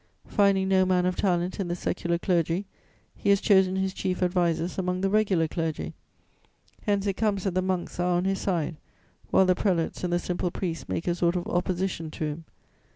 Finding no man of talent in the secular clergy, he has chosen his chief advisers among the regular clergy; hence it comes that the monks are on his side, while the prelates and the simple priests make a sort of opposition to him.